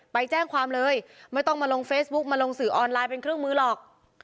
ไปแจ้งความเลยไม่ต้องมาลงเฟซบุ๊กมาลงสื่อออนไลน์เป็นเครื่องมือหรอก